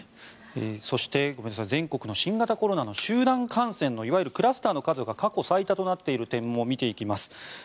そして全国の新型コロナの集団感染のいわゆるクラスターの数が過去最多となっている点も見ていきます。